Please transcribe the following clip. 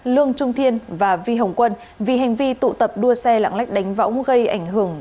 lương trung thiên và vi hồng quân vì hành vi tụ tập đua xe lạng lách đánh võng gây ảnh hưởng